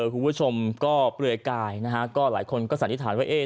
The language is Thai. คุณผู้ชมก็เปลือยกายนะฮะก็หลายคนก็สันนิษฐานว่าเอ๊ะ